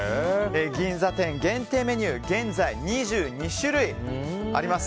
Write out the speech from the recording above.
銀座店限定メニューは現在２２種類あります。